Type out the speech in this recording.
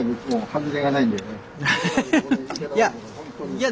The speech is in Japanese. いや。